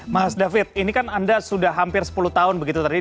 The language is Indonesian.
mas david ini kan anda sudah hampir sepuluh tahun begitu tadi